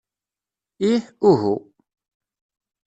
Ih, uhu.